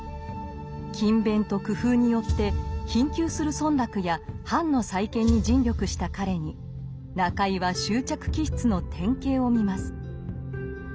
「勤勉」と「工夫」によって貧窮する村落や藩の再建に尽力した彼に中井は執着気質の典型を見ます。